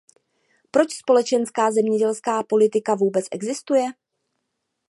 Proč společná zemědělská politika vůbec existuje?